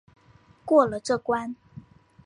过了这关